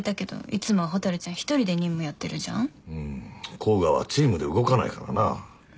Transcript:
甲賀はチームで動かないからな。